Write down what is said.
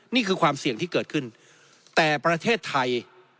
นี่คือความเสี่ยงที่เกิดขึ้นแต่ประเทศไทย